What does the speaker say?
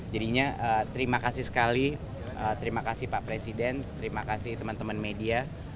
jadinya terima kasih sekali terima kasih pak presiden terima kasih teman teman media